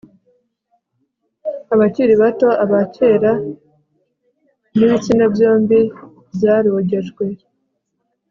Abakiri bato abakera nibitsina byombi byarogejwe